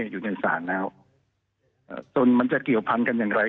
อยู่ในศาลแล้วส่วนมันจะเกี่ยวพันกันอย่างไร